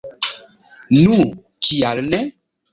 Nu, kial ne?